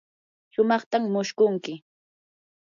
sumaqtam mushkunki.